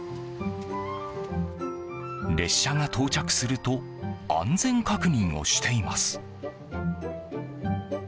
列車が到着すると安全確認をしています。